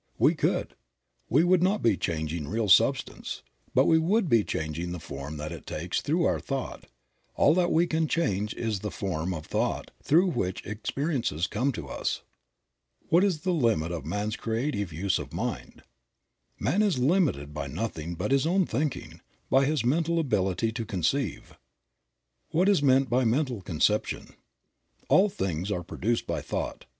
We could. We would not be changing real substance, but we would be changing the form that it takes through our thought. All that we can change is the form of thought through which experiences come to us. What is the limit of man's creative use of Mind? Man is limited by nothing but his own thinking, by his mental ability to conceive. What is meant by mental conception? All things are produced by thought.